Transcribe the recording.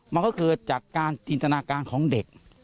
มันก็เกิดจากการจินตนาการของเด็ก